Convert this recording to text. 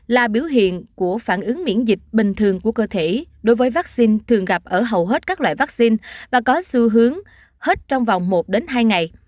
là biểu hiện của phản ứng miễn dịch bình thường của cơ thể đối với vaccine thường gặp ở hầu hết các loại vaccine và có xu hướng hết trong vòng một hai ngày